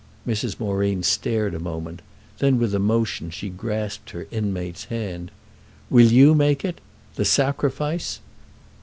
Mrs. Moreen stared a moment; then with emotion she grasped her inmate's hand. "Will you make it—the sacrifice?"